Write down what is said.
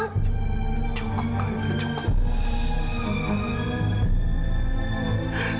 cukup alena cukup